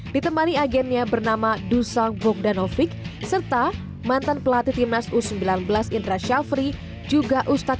ditemani agennya bernama dusa bogdanovik serta mantan pelatih timnas u sembilan belas indra syafri juga ustadz